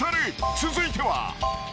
続いては。